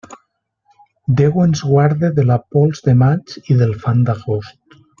Déu ens guarde de la pols de maig i del fang d'agost.